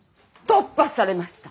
突破されました。